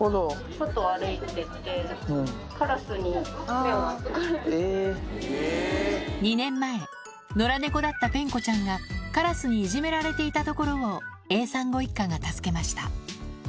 外を歩いてて、２年前、野良猫だったぺんこちゃんが、カラスにいじめられていたところをＡさんご一家が助けました。